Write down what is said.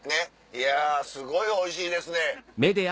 「いやすごいおいしいですね」。